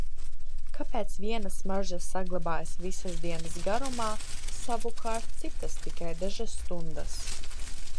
Kāpēc vienas smaržas saglabājas visas dienas garumā, savukārt citas tikai dažas stundas?